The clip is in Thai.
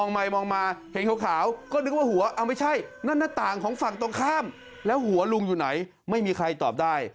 ไม่นั่นหน้าต่างของฝั่งตรงข้ามแล้วหัวลุงอยู่ไหนไม่มีใครตอบได้